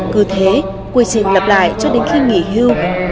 cứ thế quy trình lập lại cho đến khi nghỉ hưu